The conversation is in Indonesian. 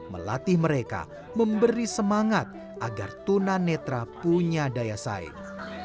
melatih mereka memberi semangat agar tunanetra punya daya saing